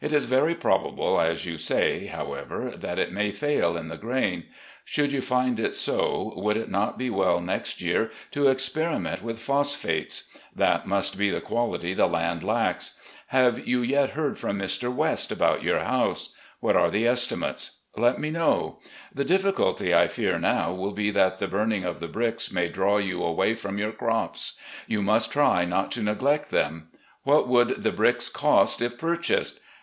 It is very probable, as you say, however, that it may fail in the grain. Should you find it so, would it not be well next year to experiment with phos phates ? That must be the quality the land lacks. Have you yet heard from Mr. West about your house ? What are the estimates ? Let me know. The difficulty I fear now will be that the burning of the bricks may draw you away from your crops. You must try not to neglect them. What would the bricks cost if purchased?